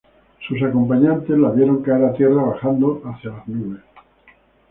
Sus acompañantes la vieron caer a tierra bajando hacia las nubes.